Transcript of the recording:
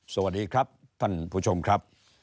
สวัสดีครับท่านผู้ชมครับ